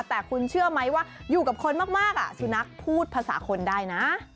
แต่คุณเชื่อไหมว่าอยู่กับคนมากสุนัขพูดภาษาคนได้นะ